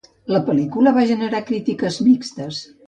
La pel·lícula va generar crítiques mixtes.